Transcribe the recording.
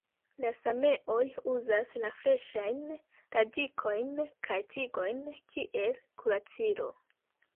La sameoj uzas la freŝajn radikojn kaj tigojn kiel kuracilo.